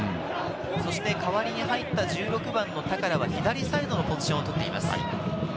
代わりに入った１６番の高良は、左サイドのポジションを取っています。